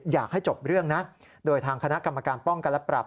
อยากให้จบเรื่องนะโดยทางคณะกรรมการป้องกันและปรับ